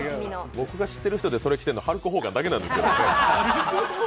僕が知ってる人でそれ着てるのハルク・ホーガンだけなんです。